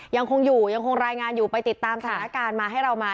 ยังคงอยู่ยังคงรายงานอยู่ไปติดตามสถานการณ์มาให้เรามา